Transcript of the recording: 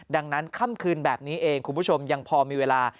ดังนั้นค่ำคืนแบบนี้เองคุณผู้ชมยังพอมีเวลา